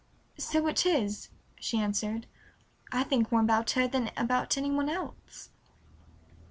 "So it is," she answered. "I think more about her than about any one else."